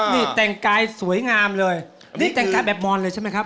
นี่แต่งกายสวยงามเลยนี่แต่งกายแบบมอนเลยใช่ไหมครับ